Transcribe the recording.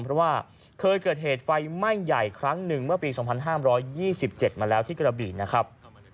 เพราะว่าเคยเกิดเหตุไฟไหม้ใหญ่ครั้งหนึ่งเมื่อปี๒๕๒๗มาแล้วที่กระบี่นะครับ